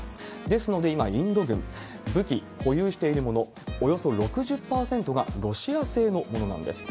ですので、今、インド軍、武器保有しているもの、およそ６０％がロシア製のものなんです。